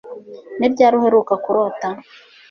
Ni ryari uheruka kurota?